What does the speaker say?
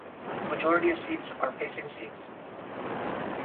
The majority of seats are facing seats.